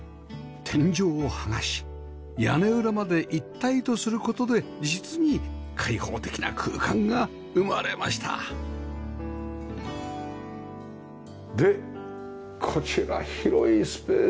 天井を剥がし屋根裏まで一体とする事で実に開放的な空間が生まれましたでこちら広いスペースで。